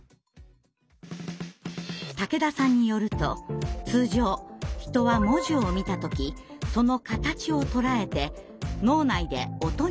竹田さんによると通常人は文字を見た時その形をとらえて脳内で音に変換。